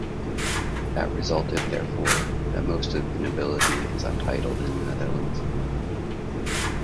That resulted therefore that most of the nobility is untitled in the Netherlands.